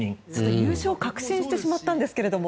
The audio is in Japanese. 優勝を確信してしまったんですけど。